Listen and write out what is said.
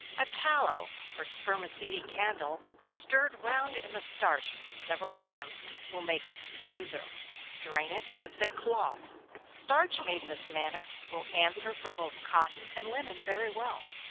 A tallow or spermaceti candle, stirred round in the starch several times, will make it smoother strain it through a thick cloth. Starch made in this manner will answer for both cotton and linen very well.